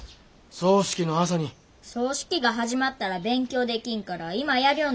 葬式が始まったら勉強できんから今やりょんじゃ。